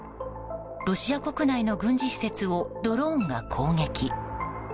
ロシア国内の軍事施設をドローンが攻撃。